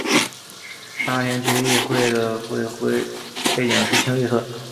沙田区议会的会徽背景是青绿色。